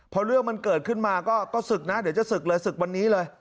พอเรื่องมันเกิดขึ้นมาก็ศึกนะเดี๋ยวจะศึกเลยศึกวันนี้เลย